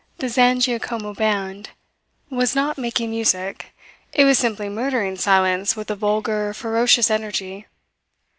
The Zangiacomo band was not making music; it was simply murdering silence with a vulgar, ferocious energy.